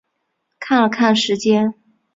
看了看时间